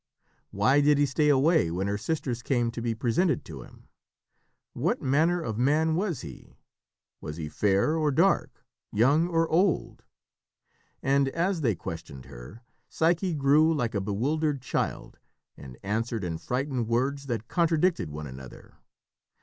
Why did he stay away when her sisters came to be presented to him? What manner of man was he? Was he fair or dark? Young or old? And as they questioned her, Psyche grew like a bewildered child and answered in frightened words that contradicted one another.